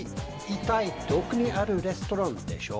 一体どこにあるレストランでしょう？